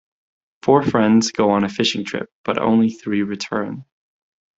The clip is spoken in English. Four friends go on a fishing trip but only three return.